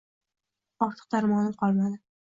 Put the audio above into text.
Ortiq darmonim qolmadi.